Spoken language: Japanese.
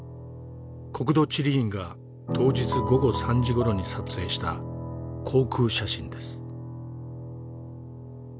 国土地理院が当日午後３時ごろに撮影した航空写真です。